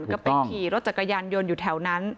ก็ไปขี่รถจักรยานยนต์อยู่แถวนั้น